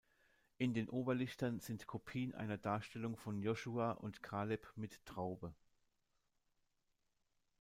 In den Oberlichtern sind Kopien einer Darstellung von Josua und Kaleb mit Traube.